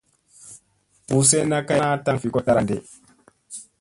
Buu senna kay ana taŋ fi koɗ taɗa ɗee.